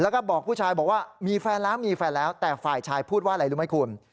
แล้วก็บอกผู้ชายบอกว่ามีแฟนแล้วมีแฟนแล้วแต่ฝ่ายชายพูดว่าอะไรรู้ไหมคุณ